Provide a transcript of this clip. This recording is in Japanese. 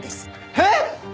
えっ！？